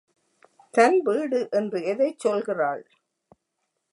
தன் வீடு என்று எதைச் சொல்கிறாள்?